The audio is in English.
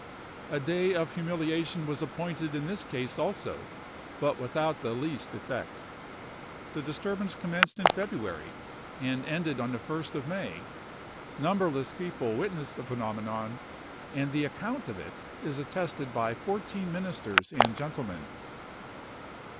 A day of humiliation was appointed in this case also, but without the least effect. The disturbance commenced in February, and ended on the 1st of May. Numberless people witnessed the phenomenon, and the account of it is attested by fourteen ministers and gentlemen.